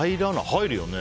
入るよね。